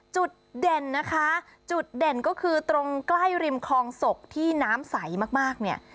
จุดเด่นนะคะจุดเด่นก็คือตรงใกล้ริมคลองศกที่น้ำใสมากเนี่ย